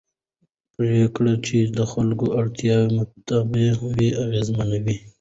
پرېکړې چې د خلکو د اړتیاوو مطابق وي اغېزمنې وي